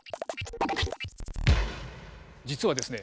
実はですね